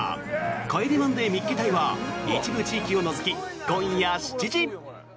「帰れマンデー見っけ隊！！」は一部地域を除き、今夜７時。